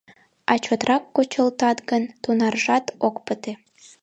А чотрак кучылтат гын, тунаржат ок пыте».